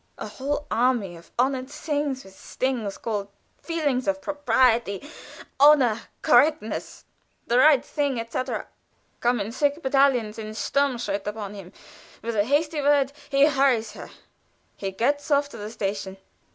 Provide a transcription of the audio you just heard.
A whole army of horned things with stings, called feelings of propriety, honor, correctness, the right thing, etc., come in thick battalions in sturmschritt upon him, and with a hasty word he hurries her he gets off to the station.